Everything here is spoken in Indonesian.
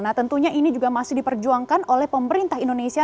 nah tentunya ini juga masih diperjuangkan oleh pemerintah indonesia